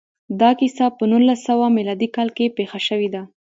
دا کیسه په نولس سوه میلادي کال کې پېښه شوې ده